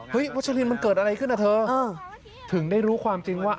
วัชลินมันเกิดอะไรขึ้นนะเธอถึงได้รู้ความจริงว่า